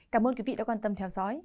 cảm ơn quý vị đã quan tâm theo dõi